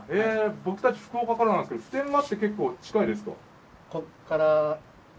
僕たち福岡からなんですけど普天間って結構近いですか？